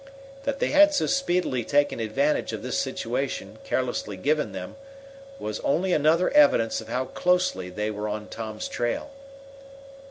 That they had so speedily taken advantage of this situation carelessly given them was only another evidence of how closely they were on Tom's trail.